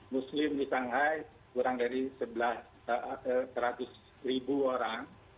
muslim di shanghai kurang dari tiga ratus ribu orang